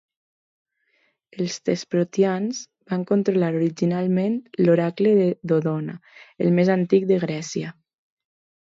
Els Thesprotians van controlar originalment l'oracle de Dodona, el més antic de Grècia.